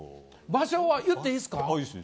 場所は言っていいですか。